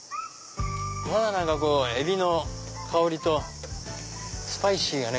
まだ何かエビの香りとスパイシーがね